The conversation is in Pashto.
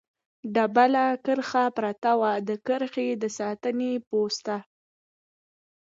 ډبله کرښه پرته وه، د کرښې د ساتنې پوسته.